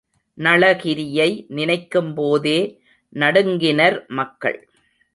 நளகிரியை நினைக்கும்போதே நடுங்கினர் மக்கள்.